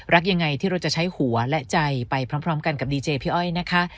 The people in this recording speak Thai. รักยังไงที่เราจะใช้หัวและใจไปพร้อมกันกับดีเจพี่อ้อยนะคะ